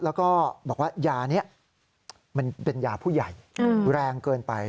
แล้วก็บอกว่ายานี้มันเป็นยาผู้ใหญ่แรงเกินไป